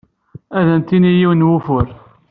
Ad am-d-tini yiwen n wufur.